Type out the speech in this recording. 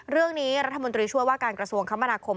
เรื่องนี้รัฐมนตรีช่วยว่าการกระทรวงคมนาคม